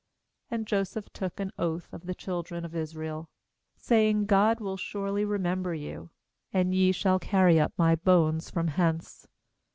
25And Joseph took an oath of the children of Israel, saying: 'God will surely remember you, and ye shall carry up my bones from hence.'